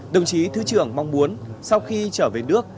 đồng chí thứ trưởng mong muốn sau khi trở về nước